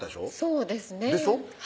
そうですねでしょ？